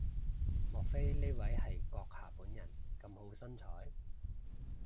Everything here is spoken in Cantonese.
莫非呢位係閣下本人咁好身材？